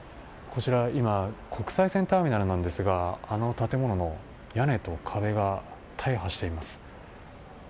こちら今国際線ターミナルなんですがあの建物の屋根と壁が大破しています。